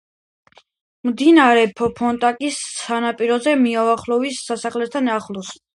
მდინარე ფონტანკის სანაპიროზე, მიხაილოვის სასახლესთან ახლოს.